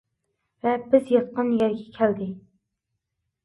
ۋە بىز ياتقان يەرگە كەلدى.